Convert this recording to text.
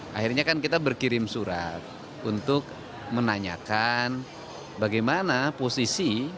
akhirnya kan kita berkirim surat untuk menanyakan bagaimana posisi